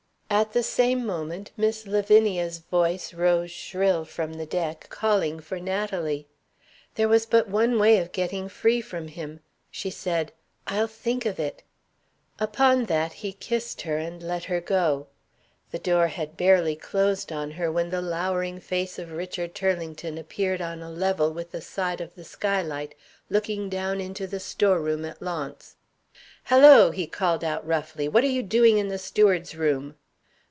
At the same moment Miss Lavinia's voice rose shrill from the deck calling for Natalie. There was but one way of getting free from him. She said, "I'll think of it." Upon that, he kissed her and let her go. The door had barely closed on her when the lowering face of Richard Turlington appeared on a level with the side of the sky light, looking down into the store room at Launce. "Halloo!" he called out roughly. "What are you doing in the steward's room?"